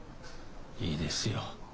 いいですよ。